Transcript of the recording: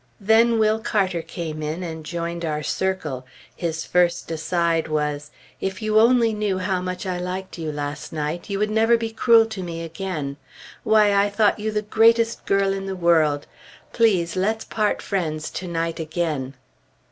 Then Will Carter came in, and joined our circle. His first aside was, "If you only knew how much I liked you last night, you would never be cruel to me again. Why, I thought you the greatest girl in the world! Please let's part friends to night again!"